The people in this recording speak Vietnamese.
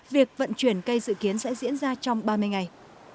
việc vận chuyển cây dự kiến sẽ diễn ra trong ba mươi ngày